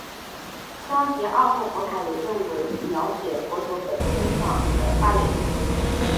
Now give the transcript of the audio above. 桑吉二号佛塔也被认定为描绘佛陀本生变相图的发源地。